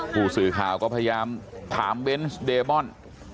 ผู้สื่อข่าวก็พยายามถามเบนส์เดมอน